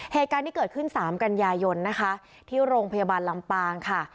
เหตุการณ์ที่เกิดขึ้น๓กันยายนนะคะที่โรงพยาบาลลำปางค่ะ